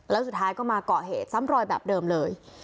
แล้วสุดท้ายก็มาเกาะเหตุซ้ำรอยแบบเดิมเลย